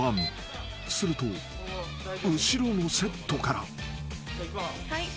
［すると後ろのセットから］